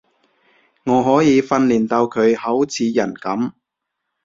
我可以訓練到佢好似人噉